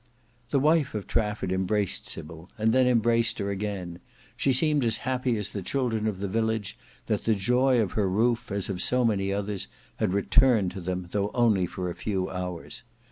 The wife of Trafford embraced Sybil, and then embraced her again. She seemed as happy as the children of the village, that the joy of her roof, as of so many others, had returned to them, though only for a few hours.